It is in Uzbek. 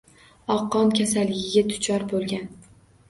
Oqqon kasalligiga duchor bo'lgan